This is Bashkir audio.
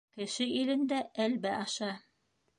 Кеше илендә әлбә аша.